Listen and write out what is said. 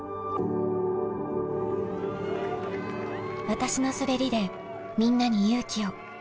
私の滑りでみんなに勇気を。